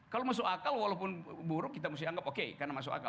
kalau masuk akal walaupun buruk kita mesti anggap oke karena masuk akal